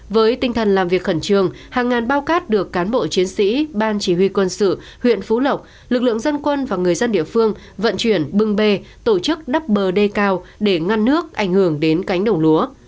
với tinh thần làm việc khẩn trương hàng ngàn bao cát được cán bộ chiến sĩ ban chỉ huy quân sự huyện phú lộc lực lượng dân quân và người dân địa phương vận chuyển bưng bê tổ chức đắp bờ đê cao để ngăn nước ảnh hưởng đến cánh đồng lúa